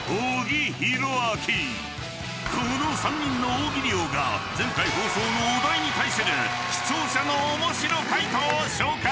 ［この３人の大喜利王が前回放送のお題に対する視聴者の面白回答を紹介］